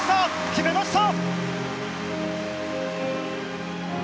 決めました！